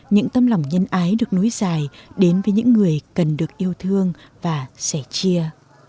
những tâm lòng nhân ái được nối dài đến với những người cần được yêu thương và sẻ chia